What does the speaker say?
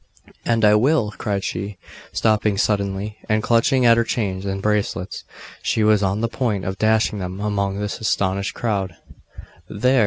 'And I will!' cried she, stopping suddenly; and clutching at her chains and bracelets, she was on the point of dashing them among the astonished crowd 'There!